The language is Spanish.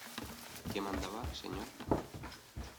¿ qué mandaba, señor?